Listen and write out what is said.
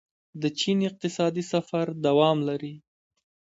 د چین اقتصادي سفر دوام لري.